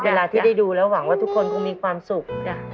เวลาที่ได้ดูแล้วหวังว่าทุกคนคงมีความสุข